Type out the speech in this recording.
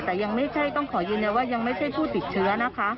แต่ยังไม่ใช่ต้องขอยืนยันว่ายังไม่ใช่ผู้ติดเชื้อนะคะ